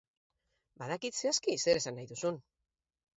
Badakit zehazki zer esan nahi duzun.